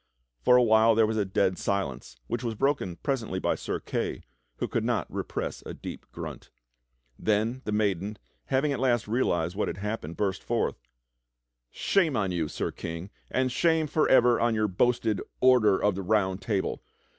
For a while there was a dead silence which was broken presently by Sir Kay, who could not repress a deep grunt. Then the maiden, having at last realized what had happened, burst forth: "Shame on you. Sir King, and shame forever on your boasted Order of the Round Table!